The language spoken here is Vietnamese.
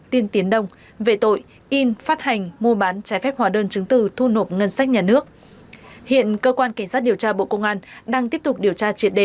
tiên tiến đông về tội in phát hành mua bán trái phép hòa đơn chứng từ thu nộp ngân sách nhà nước